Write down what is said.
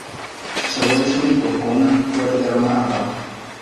Su sabor es único, con un fuerte aroma a paja.